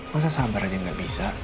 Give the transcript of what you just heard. masa sabar aja nggak bisa